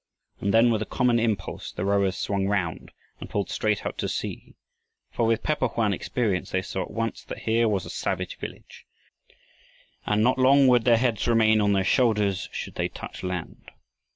And then with a common impulse, the rowers swung round and pulled straight out to sea; for with Pe po hoan experience they saw at once that here was a savage village, and not long would their heads remain on their shoulders should they touch land.